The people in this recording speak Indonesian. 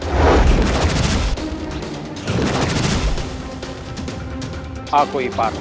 hai aku ibarat